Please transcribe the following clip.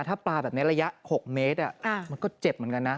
ถ้าปลาแบบนี้ระยะ๖เมตรมันก็เจ็บเหมือนกันนะ